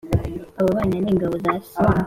abonana n'ingabo za se